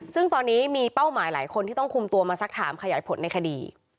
ซึ่งตอนนี้มีเป้าหมายหลายคนที่ต้องคุมตัวมาสักถามขยายผลในคดี